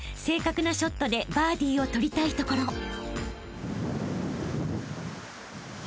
正確なショットでバーディーをとりたいところ］